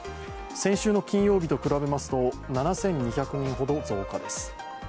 先週の金曜日と比べますと７２００人ほど増加です。